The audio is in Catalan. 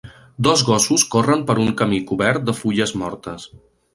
Dos gossos corren per un camí cobert de fulles mortes.